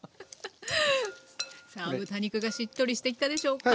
さあ豚肉がしっとりしてきたでしょうか？